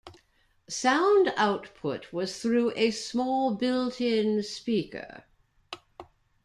Sound output was through a small built-in speaker.